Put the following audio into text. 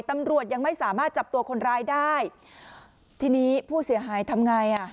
ตำรวจยังไม่สามารถจับตัวคนร้ายได้ทีนี้ผู้เสียหายทำไงอ่ะ